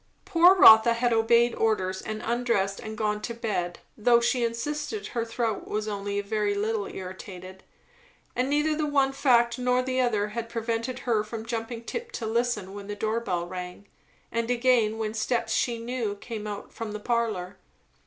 Poor Rotha had obeyed orders and undressed and gone to bed, though she insisted her throat was only a very little irritated; and neither the one fact nor the other had prevented her from jumping tip to listen when the door bell rang, and again when steps she knew came out from the parlour.